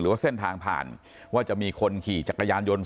ว่าเส้นทางผ่านว่าจะมีคนขี่จักรยานยนต์